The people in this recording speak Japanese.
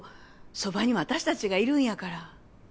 傍に私たちがいるんやから。